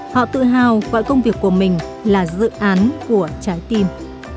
họ tự hào gọi công việc của mình là dự án của trái tim